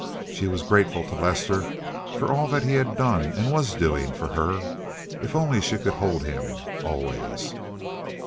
She was grateful to Lester for all that he had done and was doing for her. If only she could hold him—always!